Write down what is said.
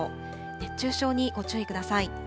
熱中症にご注意ください。